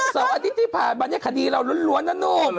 เสาร์อาทิตย์ที่ผ่านมาเนี่ยคดีเราล้วนนะนุ่ม